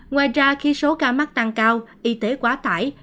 ngoài ra khi số ca mắc tăng cao y tế quá tải